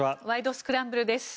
スクランブル」です。